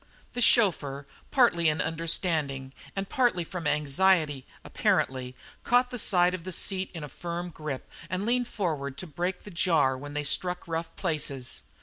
The chauffeur, partly in understanding and partly from anxiety, apparently, caught the side of the seat in a firm grip and leaned forward to break the jar when they struck rough places.